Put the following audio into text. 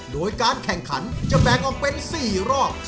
โดยการแข่งขันจะแบ่งออกเป็น๔รอบ